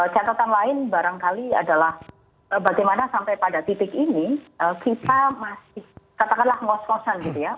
catatan lain barangkali adalah bagaimana sampai pada titik ini kita masih katakanlah ngos ngosan gitu ya